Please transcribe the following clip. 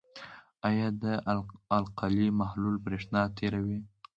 آیا د القلي محلول برېښنا تیروي؟